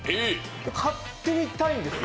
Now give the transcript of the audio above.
買ってみたいですよ。